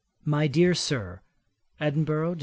'MY DEAR SIR, 'Edinburgh, Dec.